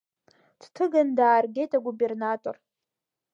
Дҭыган дааргеит агубернатор.